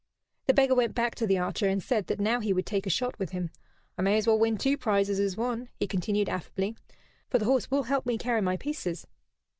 The beggar went back to the archer and said that now he would take a shot with him. "I may as well win two prizes as one," he continued, affably, "for the horse will help me carry my pieces."